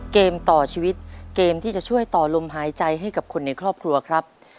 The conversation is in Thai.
เกมต่อชีวิตเกมที่จะช่วยต่อลมหายใจให้กับคนในครอบครัวครับ